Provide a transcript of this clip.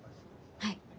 はい。